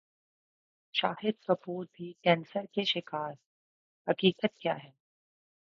شاہد کپور بھی کینسر کے شکار حقیقت کیا ہے